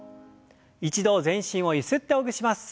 一度全身をゆすってほぐします。